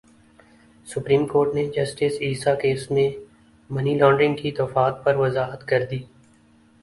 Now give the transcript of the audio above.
supreme Court نے justice Isa case میں money laundering کی دفعات پر وضاحت کردی